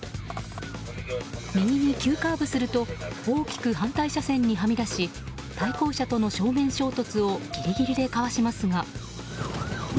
右に急カーブすると大きく反対車線にはみ出し対向車との正面衝突をぎりぎりでかわしますが。